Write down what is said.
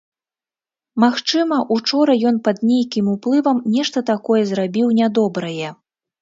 Магчыма, учора ён пад нейкім уплывам нешта такое зрабіў нядобрае.